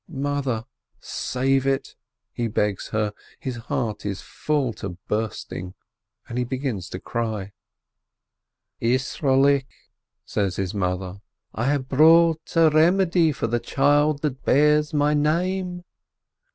"Mother, save it!" he begs her, his heart is full to bursting, and he begins to cry. "Isrolik," says his mother, "I have brought a remedy for the child that bears my name."